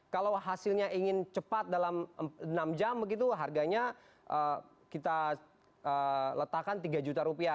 kalau hasilnya ingin cepat dalam enam jam begitu harganya kita letakkan tiga juta rupiah